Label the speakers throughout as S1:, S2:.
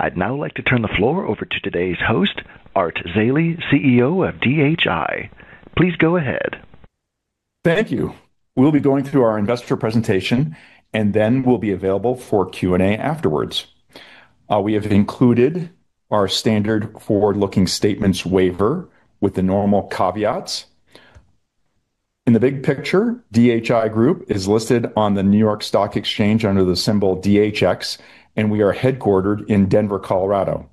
S1: I'd now like to turn the floor over to today's host, Art Zeile, CEO of DHI. Please go ahead.
S2: Thank you. We'll be going through our investor presentation, and then we'll be available for Q&A afterwards. We have included our standard forward-looking statements waiver with the normal caveats. In the big picture, DHI Group is listed on the New York Stock Exchange under the symbol DHX, and we are headquartered in Denver, Colorado.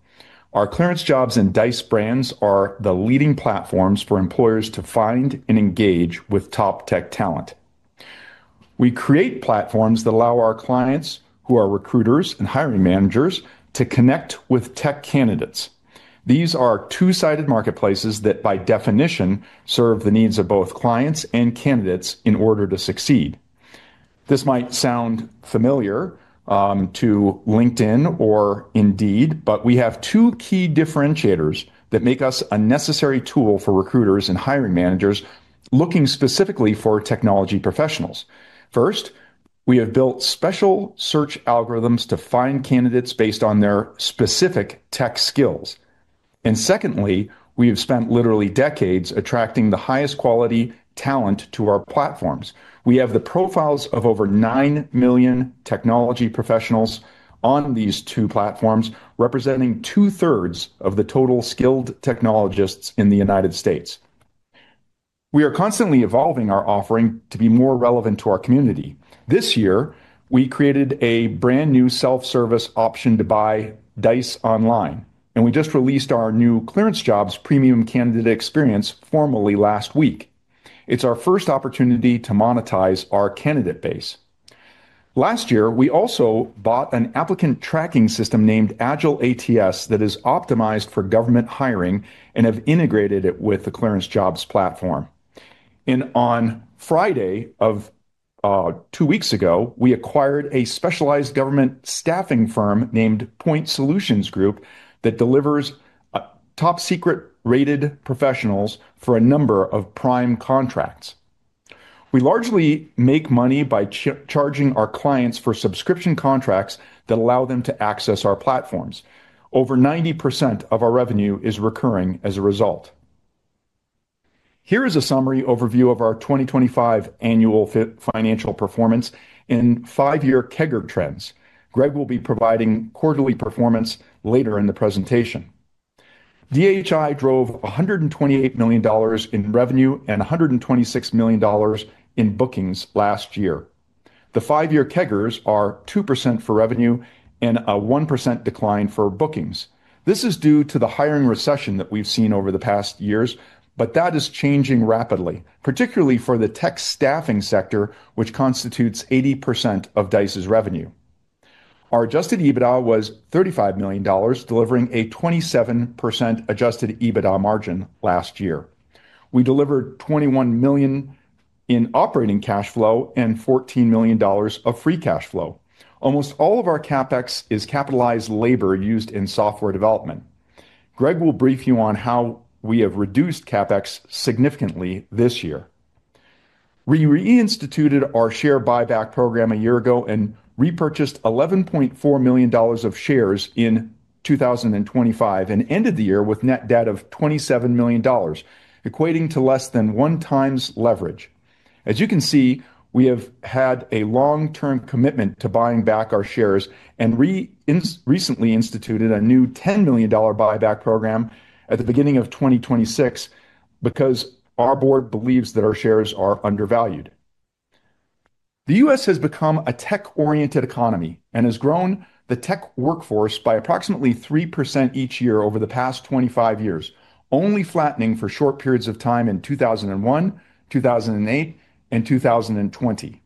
S2: Our ClearanceJobs and Dice brands are the leading platforms for employers to find and engage with top tech talent. We create platforms that allow our clients, who are recruiters and hiring managers, to connect with tech candidates. These are two-sided marketplaces that, by definition, serve the needs of both clients and candidates in order to succeed. This might sound familiar to LinkedIn or Indeed, but we have two key differentiators that make us a necessary tool for recruiters and hiring managers looking specifically for technology professionals. First, we have built special search algorithms to find candidates based on their specific tech skills. Secondly, we have spent literally decades attracting the highest quality talent to our platforms. We have the profiles of over 9 million technology professionals on these two platforms, representing two-thirds of the total skilled technologists in the United States. We are constantly evolving our offering to be more relevant to our community. This year, we created a brand-new self-service option to buy Dice online, and we just released our new ClearanceJobs premium candidate experience formally last week. It's our first opportunity to monetize our candidate base. Last year, we also bought an applicant tracking system named AgileATS that is optimized for government hiring and have integrated it with the ClearanceJobs platform. On Friday of two weeks ago, we acquired a specialized government staffing firm named Point Solutions Group that delivers top secret rated professionals for a number of prime contracts. We largely make money by charging our clients for subscription contracts that allow them to access our platforms. Over 90% of our revenue is recurring as a result. Here is a summary overview of our 2025 annual financial performance and five-year CAGR trends. Greg will be providing quarterly performance later in the presentation. DHI drove $128 million in revenue and $126 million in bookings last year. The five-year CAGRs are 2% for revenue and a 1% decline for bookings. This is due to the hiring recession that we've seen over the past years, but that is changing rapidly, particularly for the tech staffing sector, which constitutes 80% of Dice's revenue. Our adjusted EBITDA was $35 million, delivering a 27% adjusted EBITDA margin last year. We delivered $21 million in operating cash flow and $14 million of free cash flow. Almost all of our CapEx is capitalized labor used in software development. Greg will brief you on how we have reduced CapEx significantly this year. We reinstituted our share buyback program a year ago and repurchased $11.4 million of shares in 2025 and ended the year with net debt of $27 million, equating to less than 1x leverage. As you can see, we have had a long-term commitment to buying back our shares and recently instituted a new $10 million buyback program at the beginning of 2026 because our board believes that our shares are undervalued. The U.S. has become a tech-oriented economy and has grown the tech workforce by approximately 3% each year over the past 25 years, only flattening for short periods of time in 2001, 2008, and 2020.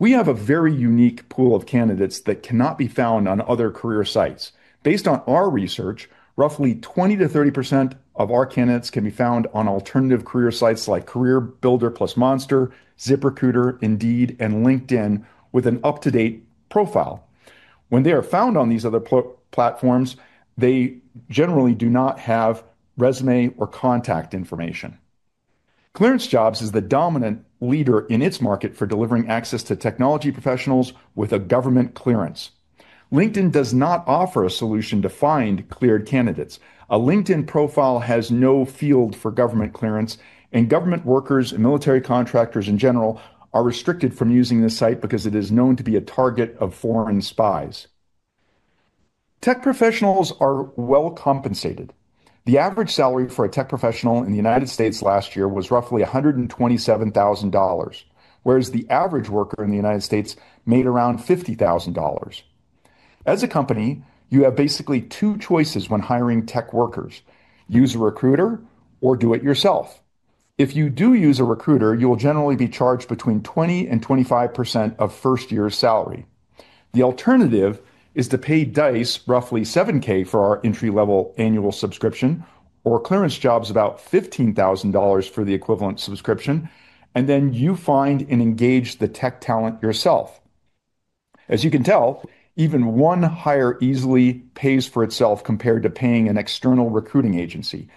S2: We have a very unique pool of candidates that cannot be found on other career sites. Based on our research, roughly 20%-30% of our candidates can be found on alternative career sites like CareerBuilder plus Monster, ZipRecruiter, Indeed, and LinkedIn with an up-to-date profile. When they are found on these other platforms, they generally do not have resume or contact information. ClearanceJobs is the dominant leader in its market for delivering access to technology professionals with a government clearance. LinkedIn does not offer a solution to find cleared candidates. A LinkedIn profile has no field for government clearance, and government workers and military contractors in general are restricted from using this site because it is known to be a target of foreign spies. Tech professionals are well compensated. The average salary for a tech professional in the United States last year was roughly $127,000, whereas the average worker in the United States made around $50,000. As a company, you have basically two choices when hiring tech workers: use a recruiter or do it yourself. If you do use a recruiter, you will generally be charged between 20% and 25% of first-year salary. The alternative is to pay Dice roughly $7,000 for our entry-level annual subscription or ClearanceJobs about $15,000 for the equivalent subscription, and then you find and engage the tech talent yourself. As you can tell, even one hire easily pays for itself compared to paying an external recruiting agency.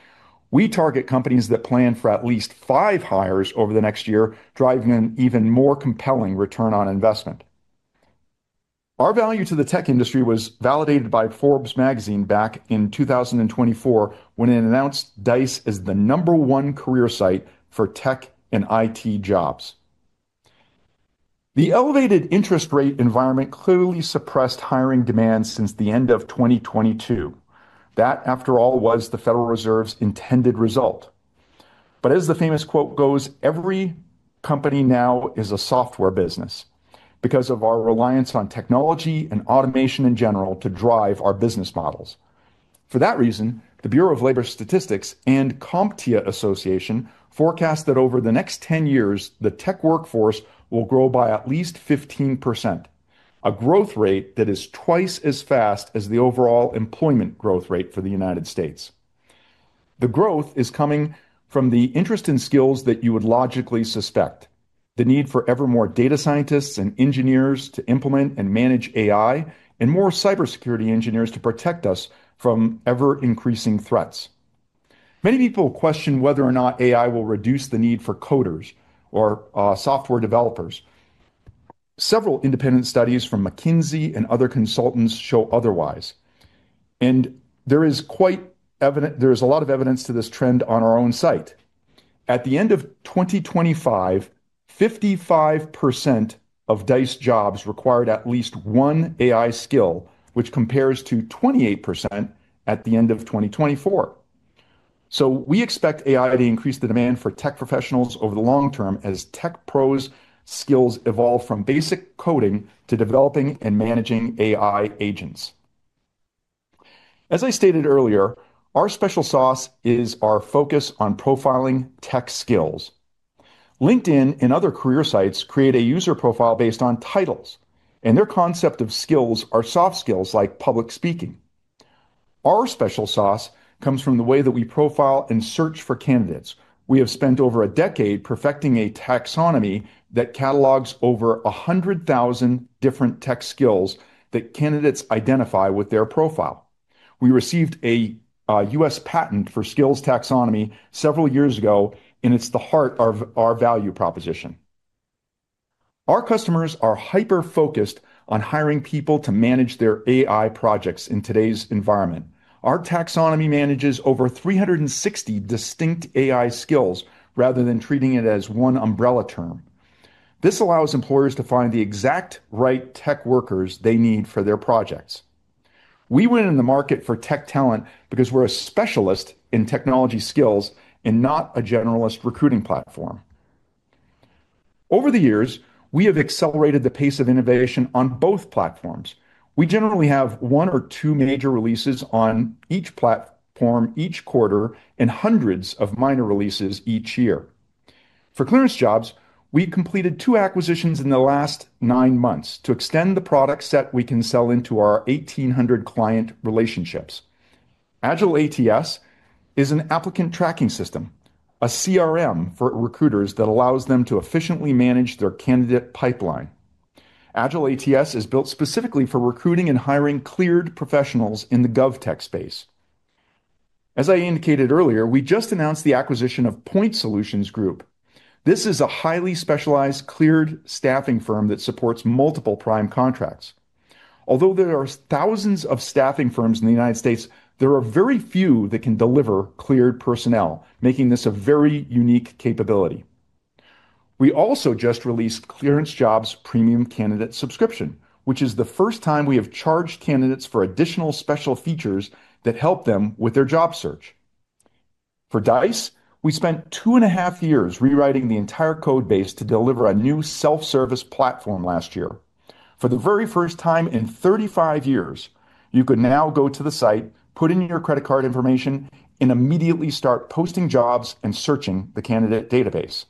S2: We target companies that plan for at least 5 hires over the next year, driving an even more compelling return on investment. Our value to the tech industry was validated by Forbes magazine back in 2024 when it announced Dice as the No. 1 career site for tech and IT jobs. The elevated interest rate environment clearly suppressed hiring demand since the end of 2022. That, after all, was the Federal Reserve's intended result. As the famous quote goes, every company now is a software business because of our reliance on technology and automation in general to drive our business models. For that reason, the Bureau of Labor Statistics and CompTIA forecast that over the next 10 years, the tech workforce will grow by at least 15%, a growth rate that is twice as fast as the overall employment growth rate for the United States. The growth is coming from the interest and skills that you would logically suspect, the need for ever more data scientists and engineers to implement and manage AI, and more cybersecurity engineers to protect us from ever-increasing threats. Many people question whether or not AI will reduce the need for coders or, software developers. Several independent studies from McKinsey and other consultants show otherwise, and there is a lot of evidence to this trend on our own site. At the end of 2025, 55% of Dice jobs required at least one AI skill, which compares to 28% at the end of 2024. We expect AI to increase the demand for tech professionals over the long term as tech pros skills evolve from basic coding to developing and managing AI agents. As I stated earlier, our special sauce is our focus on profiling tech skills. LinkedIn and other career sites create a user profile based on titles, and their concept of skills are soft skills like public speaking. Our special sauce comes from the way that we profile and search for candidates. We have spent over a decade perfecting a taxonomy that catalogs over 100,000 different tech skills that candidates identify with their profile. We received a U.S. patent for skills taxonomy several years ago, and it's the heart of our value proposition. Our customers are hyper-focused on hiring people to manage their AI projects in today's environment. Our taxonomy manages over 360 distinct AI skills rather than treating it as one umbrella term. This allows employers to find the exact right tech workers they need for their projects. We went in the market for tech talent because we're a specialist in technology skills and not a generalist recruiting platform. Over the years, we have accelerated the pace of innovation on both platforms. We generally have one or two major releases on each platform each quarter and hundreds of minor releases each year. For ClearanceJobs, we completed 2 acquisitions in the last 9 months to extend the product set we can sell into our 1,800 client relationships. AgileATS is an applicant tracking system, a CRM for recruiters that allows them to efficiently manage their candidate pipeline. AgileATS is built specifically for recruiting and hiring cleared professionals in the GovTech space. As I indicated earlier, we just announced the acquisition of Point Solutions Group. This is a highly specialized cleared staffing firm that supports multiple prime contracts. Although there are thousands of staffing firms in the United States, there are very few that can deliver cleared personnel, making this a very unique capability. We also just released ClearanceJobs Premium Candidate Subscription, which is the first time we have charged candidates for additional special features that help them with their job search. For Dice, we spent two and a half years rewriting the entire code base to deliver a new self-service platform last year. For the very first time in 35 years, you can now go to the site, put in your credit card information, and immediately start posting jobs and searching the candidate database.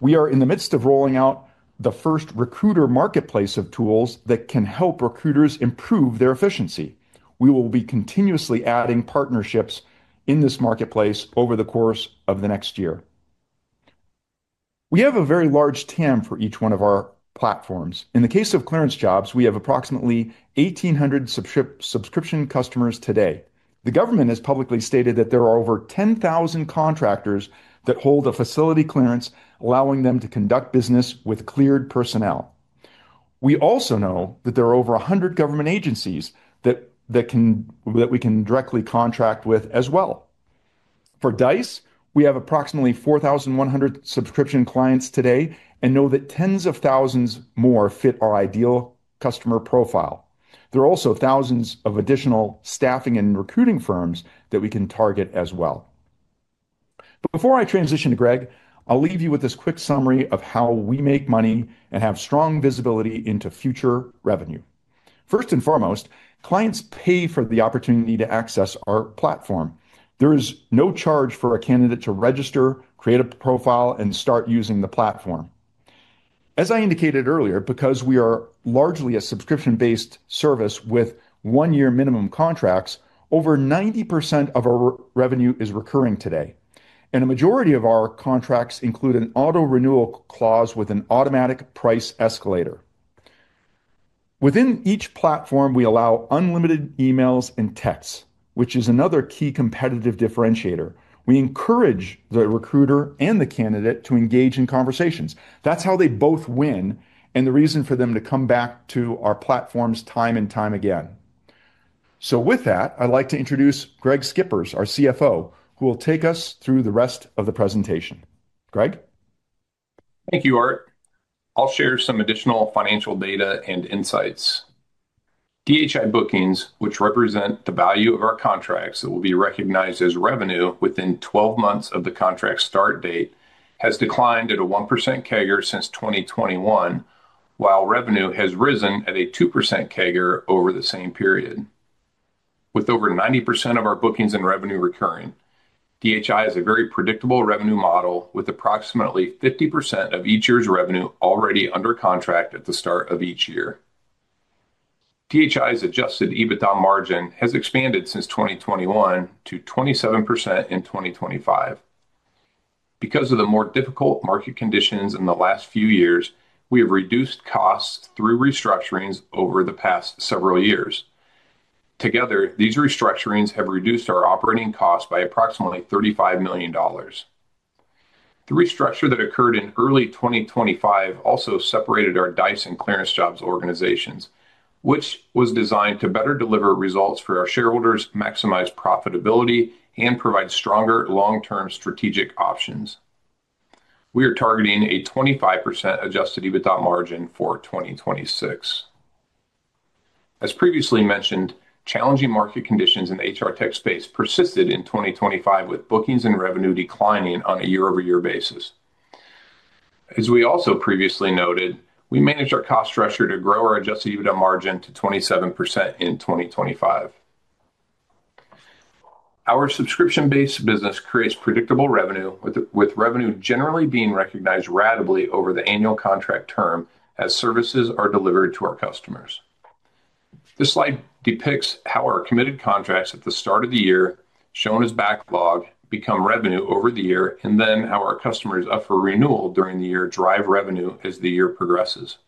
S2: We are in the midst of rolling out the first recruiter marketplace of tools that can help recruiters improve their efficiency. We will be continuously adding partnerships in this marketplace over the course of the next year. We have a very large TAM for each one of our platforms. In the case of ClearanceJobs, we have approximately 1,800 subscription customers today. The government has publicly stated that there are over 10,000 contractors that hold a facility clearance, allowing them to conduct business with cleared personnel. We also know that there are over 100 government agencies that we can directly contract with as well. For Dice, we have approximately 4,100 subscription clients today and know that tens of thousands more fit our ideal customer profile. There are also thousands of additional staffing and recruiting firms that we can target as well. Before I transition to Greg, I'll leave you with this quick summary of how we make money and have strong visibility into future revenue. First and foremost, clients pay for the opportunity to access our platform. There is no charge for a candidate to register, create a profile, and start using the platform. As I indicated earlier, because we are largely a subscription-based service with one-year minimum contracts, over 90% of our revenue is recurring today, and a majority of our contracts include an auto-renewal clause with an automatic price escalator. Within each platform, we allow unlimited emails and texts, which is another key competitive differentiator. We encourage the recruiter and the candidate to engage in conversations. That's how they both win, and the reason for them to come back to our platforms time and time again. With that, I'd like to introduce Greg Schippers, our CFO, who will take us through the rest of the presentation. Greg?
S3: Thank you, Art. I'll share some additional financial data and insights. DHI bookings, which represent the value of our contracts that will be recognized as revenue within 12 months of the contract start date, has declined at a 1% CAGR since 2021, while revenue has risen at a 2% CAGR over the same period. With over 90% of our bookings and revenue recurring, DHI has a very predictable revenue model with approximately 50% of each year's revenue already under contract at the start of each year. DHI's adjusted EBITDA margin has expanded since 2021 to 27% in 2025. Because of the more difficult market conditions in the last few years, we have reduced costs through restructurings over the past several years. Together, these restructurings have reduced our operating cost by approximately $35 million. The restructure that occurred in early 2025 also separated our Dice and ClearanceJobs organizations, which was designed to better deliver results for our shareholders, maximize profitability, and provide stronger long-term strategic options. We are targeting a 25% adjusted EBITDA margin for 2026. As previously mentioned, challenging market conditions in the HR tech space persisted in 2025, with bookings and revenue declining on a year-over-year basis. As we also previously noted, we managed our cost structure to grow our adjusted EBITDA margin to 27% in 2025. Our subscription-based business creates predictable revenue with revenue generally being recognized ratably over the annual contract term as services are delivered to our customers. This slide depicts how our committed contracts at the start of the year, shown as backlog, become revenue over the year, and then how our customers up for renewal during the year drive revenue as the year progresses.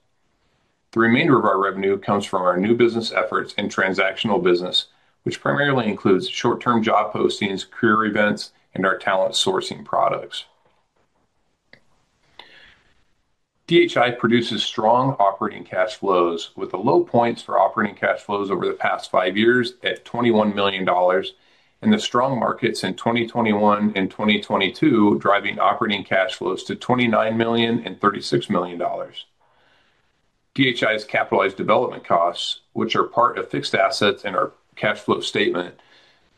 S3: The remainder of our revenue comes from our new business efforts and transactional business, which primarily includes short-term job postings, career events, and our talent sourcing products. DHI produces strong operating cash flows with the low points for operating cash flows over the past five years at $21 million, and the strong markets in 2021 and 2022 driving operating cash flows to $29 million and $36 million. DHI's capitalized development costs, which are part of fixed assets in our cash flow statement,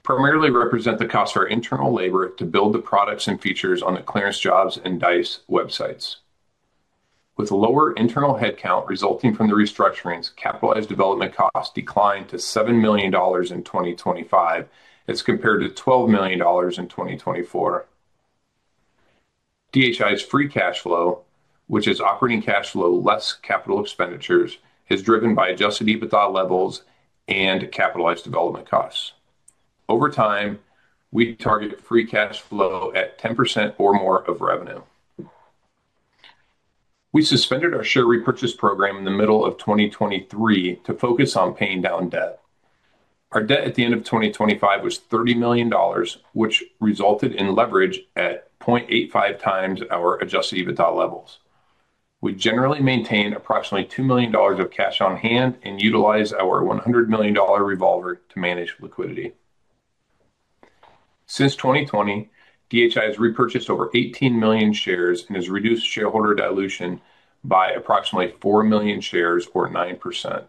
S3: primarily represent the cost of our internal labor to build the products and features on the ClearanceJobs and Dice websites. With lower internal headcount resulting from the restructurings, capitalized development costs declined to $7 million in 2025. It's compared to $12 million in 2024. DHI's free cash flow, which is operating cash flow less capital expenditures, is driven by adjusted EBITDA levels and capitalized development costs. Over time, we target free cash flow at 10% or more of revenue. We suspended our share repurchase program in the middle of 2023 to focus on paying down debt. Our debt at the end of 2025 was $30 million, which resulted in leverage at 0.85 times our adjusted EBITDA levels. We generally maintain approximately $2 million of cash on hand and utilize our $100 million revolver to manage liquidity. Since 2020, DHI has repurchased over 18 million shares and has reduced shareholder dilution by approximately 4 million shares or 9%.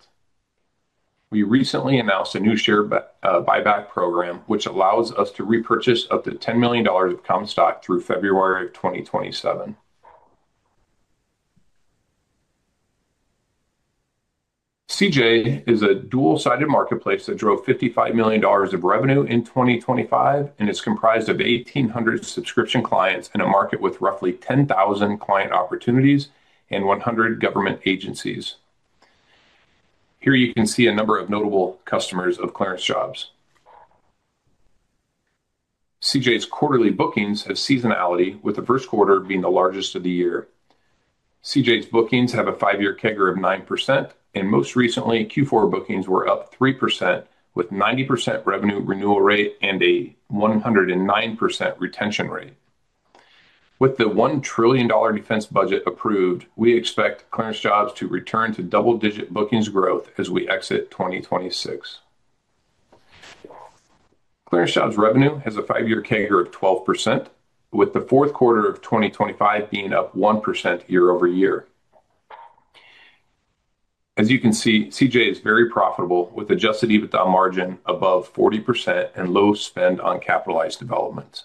S3: We recently announced a new share buyback program, which allows us to repurchase up to $10 million of common stock through February 2027. CJ is a dual-sided marketplace that drove $55 million of revenue in 2025 and is comprised of 1,800 subscription clients in a market with roughly 10,000 client opportunities and 100 government agencies. Here you can see a number of notable customers of ClearanceJobs. CJ's quarterly bookings have seasonality, with the first quarter being the largest of the year. CJ's bookings have a five-year CAGR of 9%, and most recently, Q4 bookings were up 3% with 90% revenue renewal rate and a 109% retention rate. With the $1 trillion defense budget approved, we expect ClearanceJobs to return to double-digit bookings growth as we exit 2026. ClearanceJobs revenue has a 5-year CAGR of 12%, with the fourth quarter of 2025 being up 1% year-over-year. As you can see, CJ is very profitable, with adjusted EBITDA margin above 40% and low spend on capitalized development.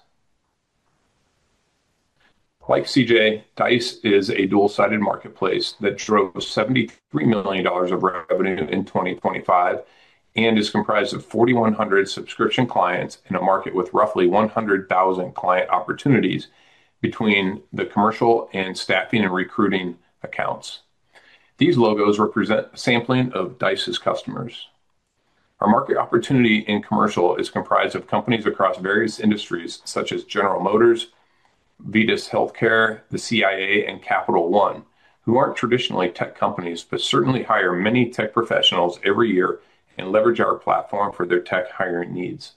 S3: Like CJ, Dice is a dual-sided marketplace that drove $73 million of revenue in 2025 and is comprised of 4,100 subscription clients in a market with roughly 100,000 client opportunities between the commercial and staffing and recruiting accounts. These logos represent a sampling of Dice's customers.
S2: Our market opportunity in commercial is comprised of companies across various industries such as General Motors, Vitas Healthcare, the CIA, and Capital One, who aren't traditionally tech companies, but certainly hire many tech professionals every year and leverage our platform for their tech hiring needs.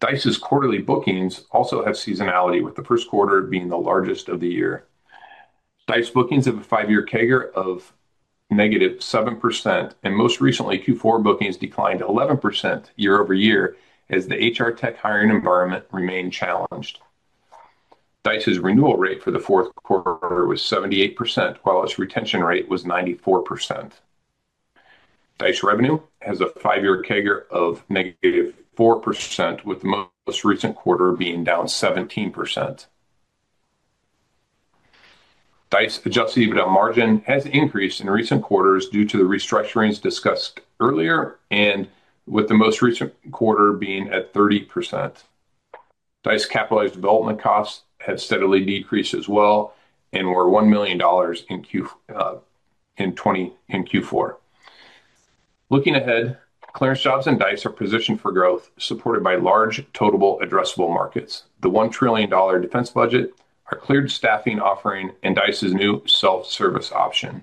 S2: Dice's quarterly bookings also have seasonality, with the first quarter being the largest of the year. Dice bookings have a five-year CAGR of negative 7%, and most recently, Q4 bookings declined 11% year-over-year as the HR tech hiring environment remained challenged. Dice's renewal rate for the fourth quarter was 78%, while its retention rate was 94%. Dice revenue has a five-year CAGR of negative 4%, with the most recent quarter being down 17%. Dice adjusted EBITDA margin has increased in recent quarters due to the restructurings discussed earlier and with the most recent quarter being at 30%. Dice capitalized development costs have steadily decreased as well and were $1 million in Q4. Looking ahead, ClearanceJobs and Dice are positioned for growth, supported by large total addressable markets, the $1 trillion defense budget, our cleared staffing offering, and Dice's new self-service option.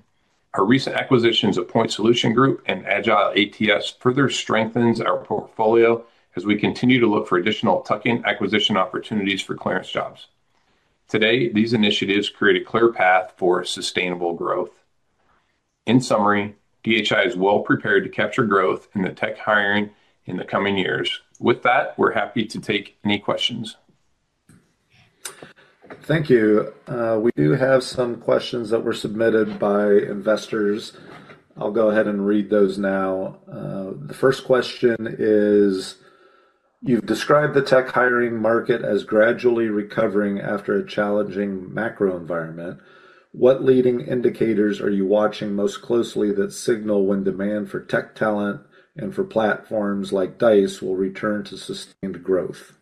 S2: Our recent acquisitions of Point Solutions Group and AgileATS further strengthens our portfolio as we continue to look for additional tuck-in acquisition opportunities for ClearanceJobs. Today, these initiatives create a clear path for sustainable growth. In summary, DHI is well prepared to capture growth in the tech hiring in the coming years. With that, we're happy to take any questions.
S4: Thank you. We do have some questions that were submitted by investors. I'll go ahead and read those now. The first question is, you've described the tech hiring market as gradually recovering after a challenging macro environment. What leading indicators are you watching most closely that signal when demand for tech talent and for platforms like Dice will return to sustained growth?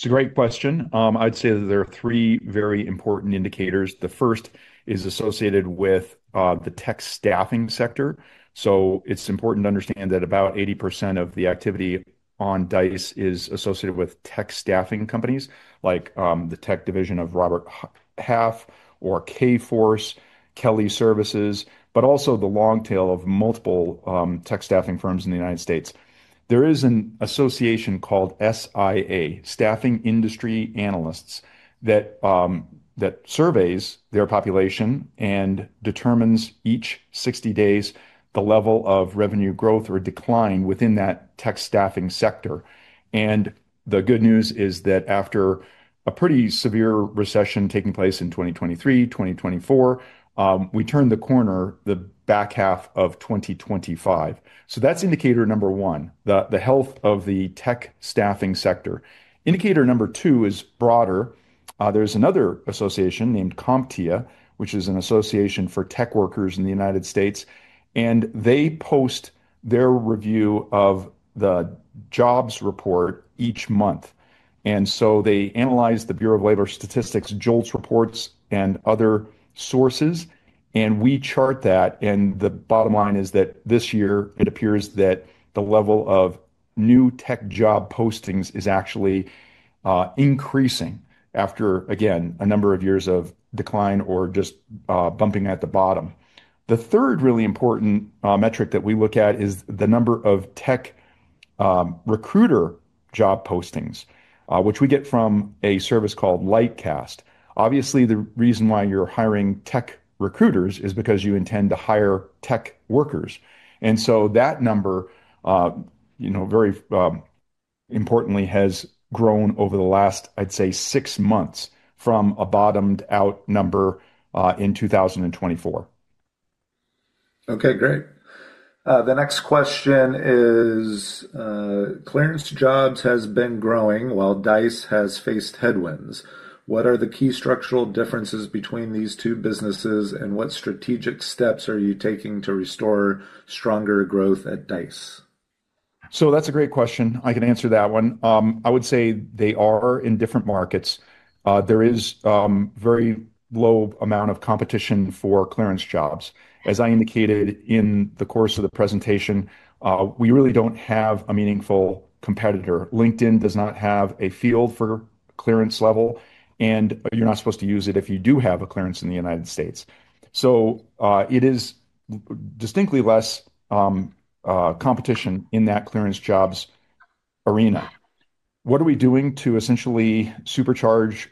S2: It's a great question. I'd say that there are three very important indicators. The first is associated with the tech staffing sector. It's important to understand that about 80% of the activity on Dice is associated with tech staffing companies like the tech division of Robert Half or Kforce, Kelly Services, but also the long tail of multiple tech staffing firms in the United States. There is an association called SIA, Staffing Industry Analysts, that surveys their population and determines each 60 days the level of revenue growth or decline within that tech staffing sector. The good news is that after a pretty severe recession taking place in 2023, 2024, we turned the corner the back half of 2025. That's indicator number one, the health of the tech staffing sector. Indicator number two is broader. There's another association named CompTIA, which is an association for tech workers in the United States, and they post their review of the jobs report each month. They analyze the Bureau of Labor Statistics, JOLTS reports, and other sources, and we chart that. The bottom line is that this year it appears that the level of new tech job postings is actually increasing after, again, a number of years of decline or just bumping at the bottom. The third really important metric that we look at is the number of tech recruiter job postings, which we get from a service called Lightcast. Obviously, the reason why you're hiring tech recruiters is because you intend to hire tech workers. That number, you know, very importantly, has grown over the last, I'd say, six months from a bottomed out number in 2024.
S4: Okay, great. The next question is, ClearanceJobs has been growing while Dice has faced headwinds. What are the key structural differences between these two businesses, and what strategic steps are you taking to restore stronger growth at Dice?
S2: That's a great question. I can answer that one. I would say they are in different markets. There is very low amount of competition for ClearanceJobs. As I indicated in the course of the presentation, we really don't have a meaningful competitor. LinkedIn does not have a field for clearance level, and you're not supposed to use it if you do have a clearance in the United States. It is distinctly less competition in that ClearanceJobs arena. What are we doing to essentially supercharge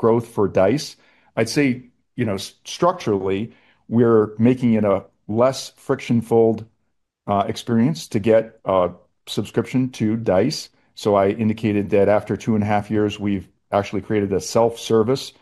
S2: growth for Dice? I'd say, you know, structurally, we're making it a less friction-filled experience to get a subscription to Dice. I indicated that after 2.5 years, we've actually created a self-service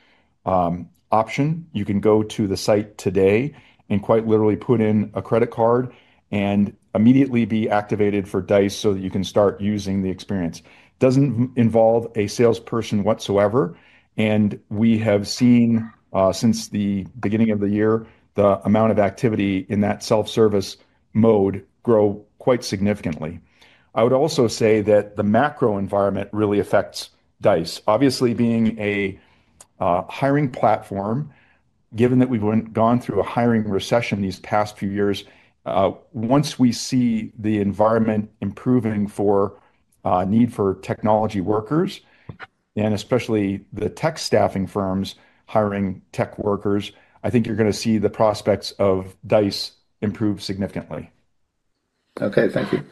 S2: option. You can go to the site today and quite literally put in a credit card and immediately be activated for Dice so that you can start using the experience. Doesn't involve a salesperson whatsoever. We have seen since the beginning of the year the amount of activity in that self-service mode grow quite significantly. I would also say that the macro environment really affects Dice. Obviously, being a hiring platform, given that we've gone through a hiring recession these past few years, once we see the environment improving for a need for technology workers and especially the tech staffing firms hiring tech workers, I think you're gonna see the prospects of Dice improve significantly.
S4: Okay. Thank you.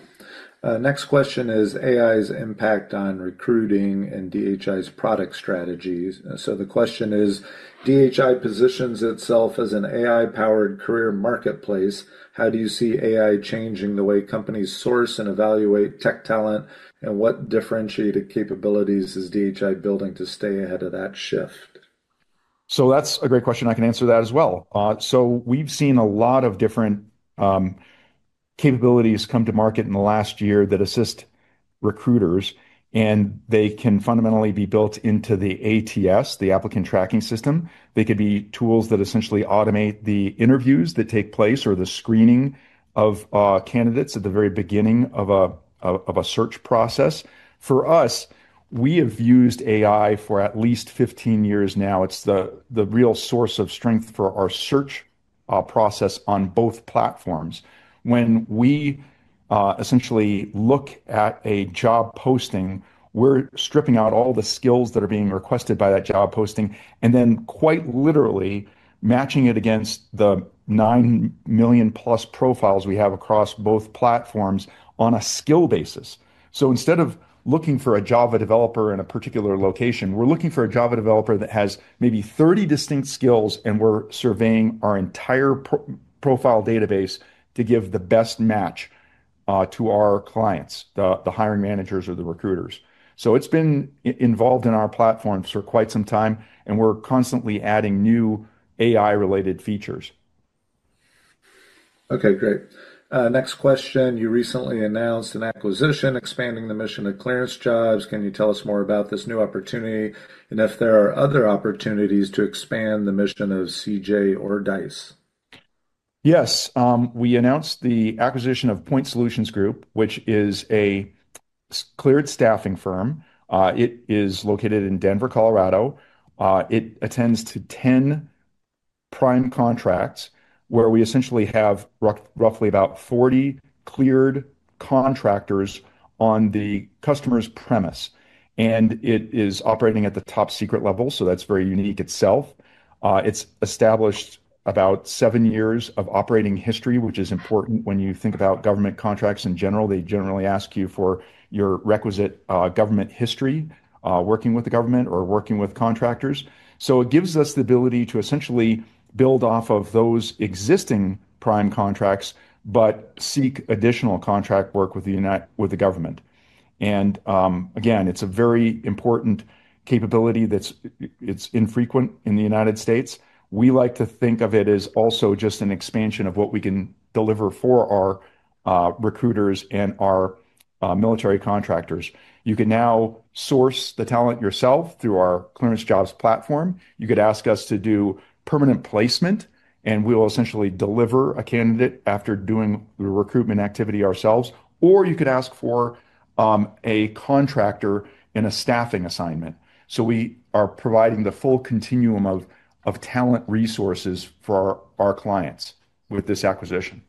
S4: Next question is AI's impact on recruiting and DHI's product strategies. The question is, DHI positions itself as an AI-powered career marketplace. How do you see AI changing the way companies source and evaluate tech talent? What differentiated capabilities is DHI building to stay ahead of that shift?
S2: That's a great question. I can answer that as well. We've seen a lot of different capabilities come to market in the last year that assist recruiters, and they can fundamentally be built into the ATS, the applicant tracking system. They could be tools that essentially automate the interviews that take place or the screening of candidates at the very beginning of a search process. For us, we have used AI for at least 15 years now. It's the real source of strength for our search process on both platforms. When we essentially look at a job posting, we're stripping out all the skills that are being requested by that job posting and then quite literally matching it against the 9 million-plus profiles we have across both platforms on a skill basis. Instead of looking for a Java developer in a particular location, we're looking for a Java developer that has maybe 30 distinct skills, and we're surveying our entire profile database to give the best match to our clients, the hiring managers or the recruiters. It's been involved in our platforms for quite some time, and we're constantly adding new AI-related features.
S4: Okay. Great. Next question. You recently announced an acquisition expanding the mission of ClearanceJobs. Can you tell us more about this new opportunity and if there are other opportunities to expand the mission of CJ or Dice?
S2: Yes. We announced the acquisition of Point Solutions Group, which is a security-cleared staffing firm. It is located in Denver, Colorado. It attends to 10 prime contracts where we essentially have roughly about 40 cleared contractors on the customer's premise. It is operating at the top secret level, so that's very unique itself. It's established about 7 years of operating history, which is important when you think about government contracts in general. They generally ask you for your requisite government history working with the government or working with contractors. It gives us the ability to essentially build off of those existing prime contracts but seek additional contract work with the government. Again, it's a very important capability that's, it's infrequent in the United States. We like to think of it as also just an expansion of what we can deliver for our recruiters and our military contractors. You can now source the talent yourself through our ClearanceJobs platform. You could ask us to do permanent placement, and we'll essentially deliver a candidate after doing the recruitment activity ourselves, or you could ask for a contractor in a staffing assignment. We are providing the full continuum of talent resources for our clients with this acquisition.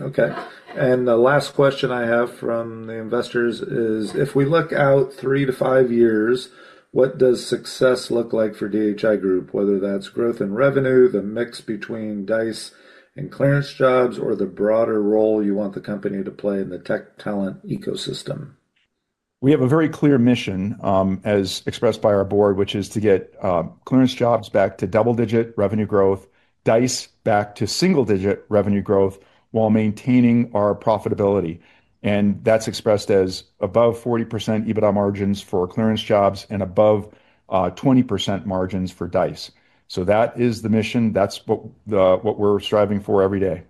S4: Okay. The last question I have from the investors is if we look out 3-5 years, what does success look like for DHI Group, whether that's growth in revenue, the mix between Dice and ClearanceJobs, or the broader role you want the company to play in the tech talent ecosystem?
S2: We have a very clear mission, as expressed by our board, which is to get ClearanceJobs back to double-digit revenue growth, Dice back to single-digit revenue growth while maintaining our profitability. That's expressed as above 40% EBITDA margins for ClearanceJobs and above 20% margins for Dice. That is the mission. That's what we're striving for every day.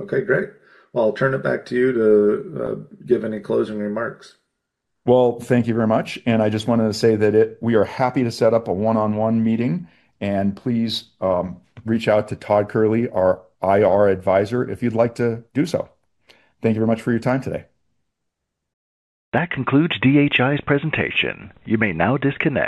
S4: Okay. Great. Well, I'll turn it back to you to give any closing remarks.
S2: Well, thank you very much. I just wanted to say that we are happy to set up a one-on-one meeting, and please, reach out to Todd Kehrli, our IR advisor, if you'd like to do so. Thank you very much for your time today.
S1: That concludes DHI's presentation. You may now disconnect.